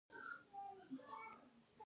د جوزجان په فیض اباد کې څه شی شته؟